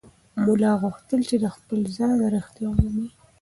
ملا غوښتل چې د خپل ځان رښتیا ومومي.